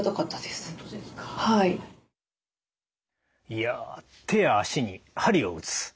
いや手や足に鍼を打つ。